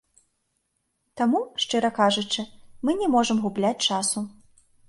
Таму, шчыра кажучы, мы не можам губляць часу.